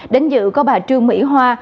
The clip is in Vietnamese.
đến dự có bà trương mỹ hoa